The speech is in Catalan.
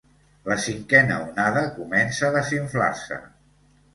La cinquena onada comença a desinflar-se.